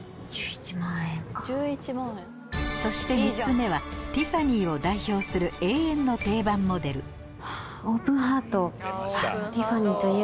そして３つ目はティファニーを代表する永遠の定番モデルですよね。